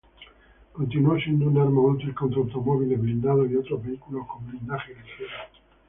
Continuó siendo un arma útil contra automóviles blindados y otros vehículos con blindaje ligero.